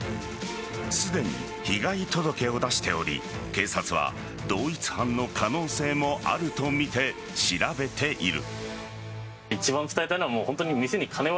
すでに被害届を出しており警察は同一犯の可能性もあるとみて調べている。